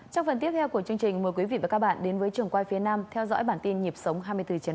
trong phần tiếp theo của chương trình mời quý vị và các bạn đến với trường quay phía nam theo dõi bản tin nhịp sống hai mươi bốn h